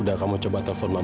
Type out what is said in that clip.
udah kamu coba telepon langsung